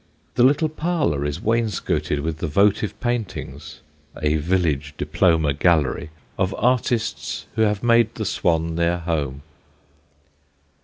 The little parlour is wainscoted with the votive paintings a village Diploma Gallery of artists who have made the "Swan" their home.